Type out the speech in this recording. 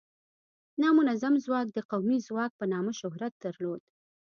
نامنظم ځواک د قومي ځواک په نامه شهرت درلوده.